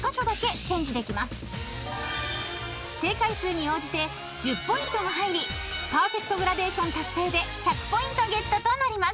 ［正解数に応じて１０ポイントが入りパーフェクトグラデーション達成で１００ポイントゲットとなります］